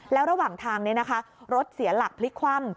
แล้วระหว่างทางรถเสียหลักพลิกคว่ำ